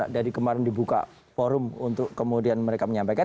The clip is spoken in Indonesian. dari kemarin dibuka forum untuk kemudian mereka menyampaikan